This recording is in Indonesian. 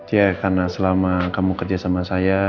ya karena selama kamu kerja sama saya